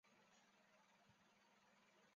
他们被视为拉脱维亚独立斗争的精神领袖。